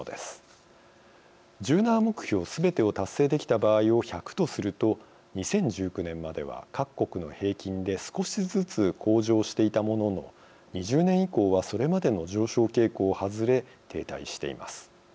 １７目標すべてを達成できた場合を１００とすると２０１９年までは各国の平均で少しずつ向上していたものの２０年以降はそれまでの上昇傾向を外れ停滞しています。